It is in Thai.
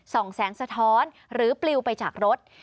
แสงสะท้อนหรือปลิวไปจากรถ